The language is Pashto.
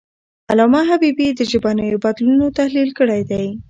علامه حبیبي د ژبنیو بدلونونو تحلیل کړی دی.